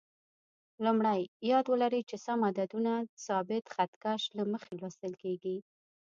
لومړی: یاد ولرئ چې سم عددونه د ثابت خط کش له مخې لوستل کېږي.